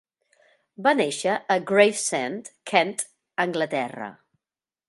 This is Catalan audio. Va néixer a Gravesend, Kent, Anglaterra.